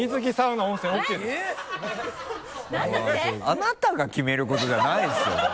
あなたが決めることじゃないですよね？